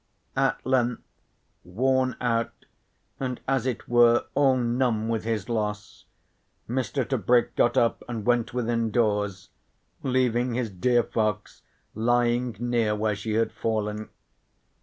At length worn out, and as it were all numb with his loss, Mr. Tebrick got up and went within doors, leaving his dear fox lying near where she had fallen.